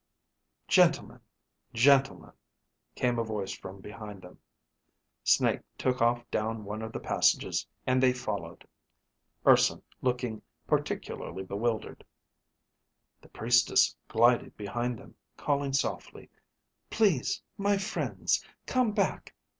"Gentlemen, gentlemen," came a voice from behind them. Snake took off down one of the passages, and they followed, Urson looking particularly bewildered. The Priestess glided behind them, calling softly, "Please, my friends, come back.